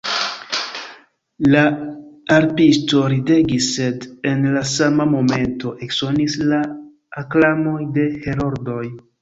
La harpisto ridegis, sed en la sama momento eksonis la aklamoj de heroldoj.